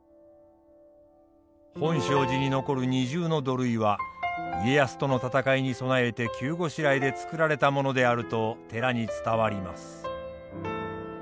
本證寺に残る二重の土塁は家康との戦いに備えて急ごしらえで造られたものであると寺に伝わります。